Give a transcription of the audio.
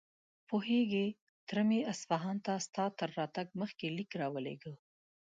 پوهېږې، تره مې اصفهان ته ستا تر راتګ مخکې ليک راولېږه.